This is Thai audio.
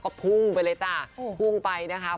ก็พุ่งไปเลยจ้ะพุ่งไปนะคะ